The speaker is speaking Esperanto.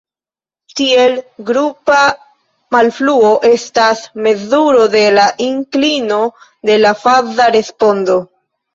Tiel grupa malfruo estas mezuro de la inklino de la faza respondo.